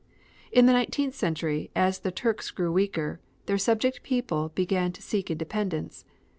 In the nineteenth century, as the Turks grew weaker, their subject people began to seek independence.